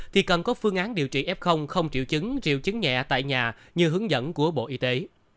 thì cần có phương án điều trị f không triệu chứng triệu chứng nhẹ tại nhà như hướng dẫn của bộ y tế